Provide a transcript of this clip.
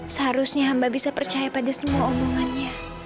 seharusnya hamba bisa percaya pada semua omongannya